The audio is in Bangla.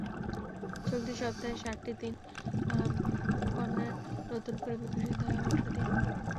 চলতি সপ্তাহের সাতটি দিন কন্যার নতুন করে বিকশিত হয়ে ওঠার দিন।